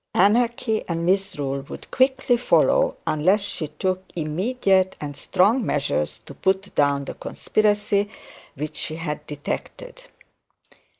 Anarchy and misrule would quickly follow, unless she took immediate and strong measures to put down the conspiracy which she had detected.